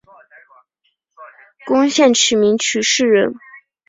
宫城县名取市人。